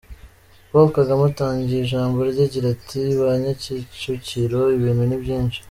Paul Kagame atangiye ijambo rye agira ati “ Ba nyakicukiro, ibintu ni byinshi.